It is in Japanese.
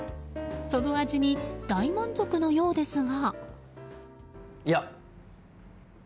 その味に大満足のようですが。